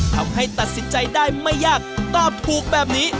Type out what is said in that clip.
ทำให้ตัดสินใจได้ไม่ยากตอบถูกแบบนี้